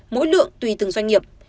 mỗi lượng tùy từng doanh nghiệp